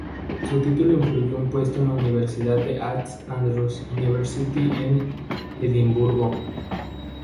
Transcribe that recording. Su título incluyó un puesto en la Universidad de St Andrews University en Edimburgo.